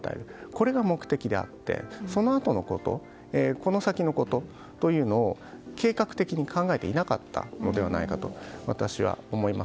これが目的であってそのあとのこと、この先のことを計画的に考えていなかったのではないかと私は思います。